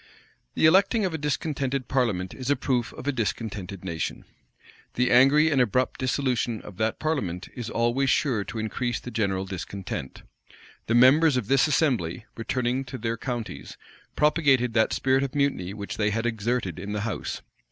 The electing of a discontented parliament is a proof of a discontented nation: the angry and abrupt dissolution of that parliament is always sure to increase the general discontent. The members of this assembly, returning to their counties, propagated that spirit of mutiny which they had exerted in the house.